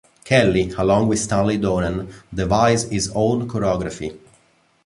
Kelly, along with Stanley Donen, devised his own choreography.